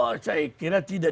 oh saya kira tidak